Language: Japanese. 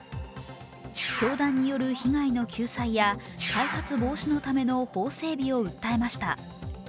教団による被害の救済や再発防止のための法整備を訴えました。